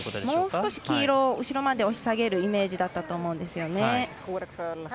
もう少し黄色を後ろまで押し下げるイメージだったと思うんですよね。